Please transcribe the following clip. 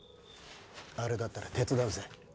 あれだったら手伝うぜ。